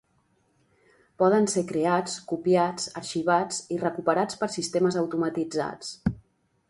Poden ser creats, copiats, arxivats i recuperats per sistemes automatitzats.